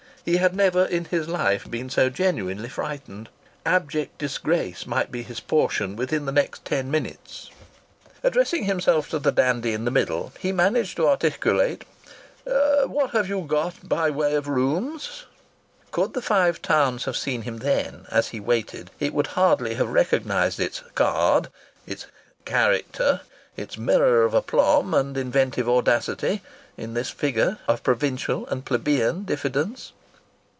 He had never in his life been so genuinely frightened. Abject disgrace might be his portion within the next ten seconds. Addressing himself to the dandy in the middle he managed to articulate: "What have you got in the way of rooms?" Could the Five Towns have seen him then, as he waited, it would hardly have recognized its "card," its character, its mirror of aplomb and inventive audacity, in this figure of provincial and plebeian diffidence.